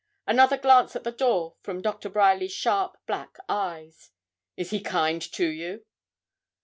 Another glance at the door from Doctor Bryerly's sharp black eyes. 'Is he kind to you?'